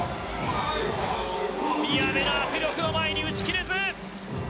宮部の圧力の前に打ち切れず。